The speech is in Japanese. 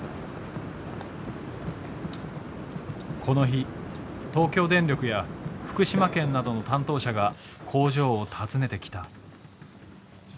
この日東京電力や福島県などの担当者が工場を訪ねてきた。